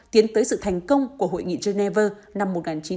tiến tới sự thành công của hội nghị geneva năm một nghìn chín trăm năm mươi bốn